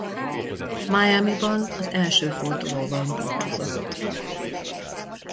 Miamiban az első fordulóban búcsúzott.